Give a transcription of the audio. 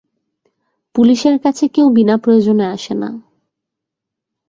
পুলিশের কাছে কেউ বিনা প্রয়োজনে আসে না।